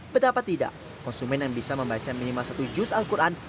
betapa tidak konsumen yang bisa membaca minimal satu juz al quran